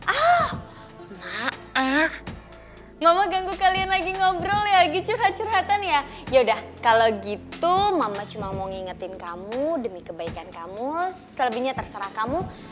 ah mama ganggu kalian lagi ngobrol ya lagi curhat curhatan ya yaudah kalau gitu mama cuma mau ngingetin kamu demi kebaikan kamu selebihnya terserah kamu